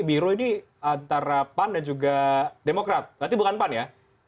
biro ini antara pan dan juga demokrat berarti bukan pan ya